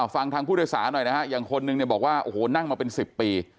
ฟังทางผู้โดยสารหน่อยนะฮะอย่างคนนึงเนี่ยบอกว่าโอ้โหนั่งมาเป็น๑๐ปี